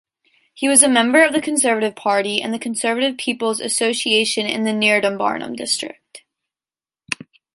He was a member of the conservative party and the conservative people's association in the Niederbarnim district.